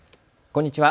こんにちは。